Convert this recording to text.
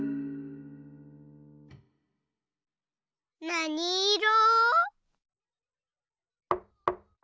なにいろ？